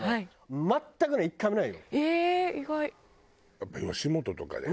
やっぱ吉本とかだよね。